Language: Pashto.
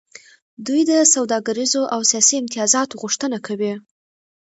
دوی د سوداګریزو او سیاسي امتیازاتو غوښتنه کوي